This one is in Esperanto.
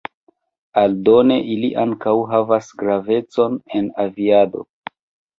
Aldone ili ankaŭ havas gravecon en aviado.